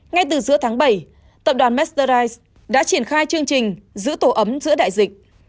ngay từ giữa tháng bảy tập đoàn masterize đã triển khai chương trình giữ tổ ấm giữa đại dịch